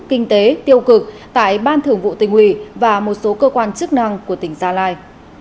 kinh tế tiêu cực tại ban thường vụ tỉnh ủy và một số cơ quan chức năng của tỉnh gia lai